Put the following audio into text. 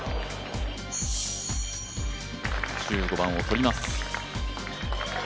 １５番をとります。